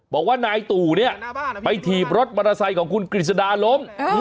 บอกว่านายตู่เนี่ยไปถีบรถมอเตอร์ไซค์ของคุณกฤษดาล้ม